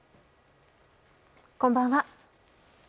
こんばんは。